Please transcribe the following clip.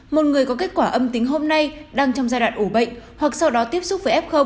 một người có kết quả âm tính hôm nay đang trong giai đoạn ủ bệnh hoặc sau đó tiếp xúc với f